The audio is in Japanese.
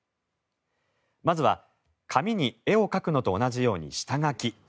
まずは紙に絵を描くのと同じように下書き。